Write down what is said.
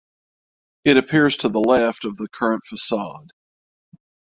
It appears to the left of the current facade.